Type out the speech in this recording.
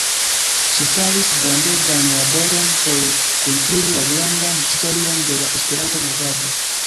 Ŝi faris grandegan laboron por kuntiri la grandan historion de la Esperanto-movado.